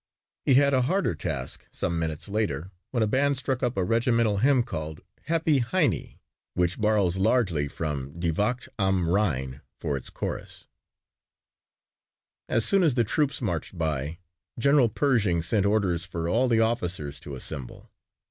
He had a harder task some minutes later when a band struck up a regimental hymn called "Happy Heinie," which borrows largely from "Die Wacht am Rhein" for its chorus. As soon as the troops marched by, General Pershing sent orders for all the officers to assemble.